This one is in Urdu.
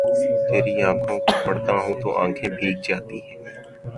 تری آنکھوں کو پڑھتا ہوں تو آنکھیں بھیگ جاتی ہی